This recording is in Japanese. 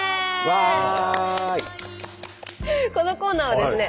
このコーナーはですね